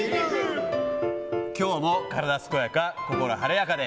きょうも体健やか、心晴れやかで。